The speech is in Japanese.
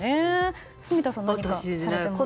住田さん、何かされていますか？